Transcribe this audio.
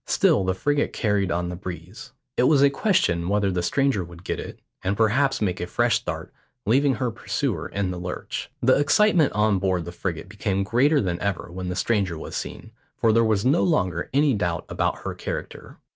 Still the frigate carried on the breeze. It was a question whether the stranger would get it, and perhaps make a fresh start, leaving her pursuer in the lurch. The excitement on board the frigate became greater than ever when the stranger was seen, for there was no longer any doubt about her character.